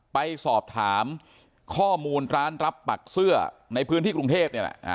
ไปสอบถามข้อมูลร้านรับปักเสื้อในพื้นที่กรุงเทพนี่แหละ